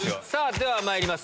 ではまいります